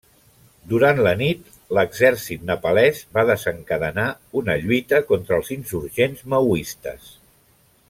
Durant la nit l'Exèrcit nepalès va desencadenar una lluita contra els insurgents maoistes.